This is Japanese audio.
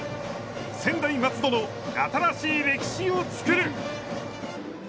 専大松戸の新しい歴史を作る。